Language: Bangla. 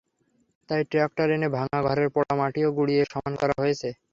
তাই ট্রাক্টর এনে ভাঙা ঘরের পোড়া মাটিও গুঁড়িয়ে সমান করা হয়েছে।